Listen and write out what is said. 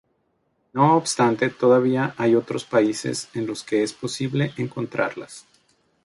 No obstante todavía hay otros países en los que es posible encontrarlas.